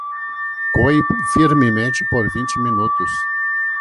Coe firmemente por vinte minutos.